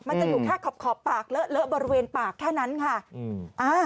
มันจะอยู่แค่ขอบปากเลอะบริเวณปากแค่นั้นค่ะ